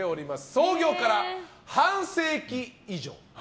創業から半世紀以上。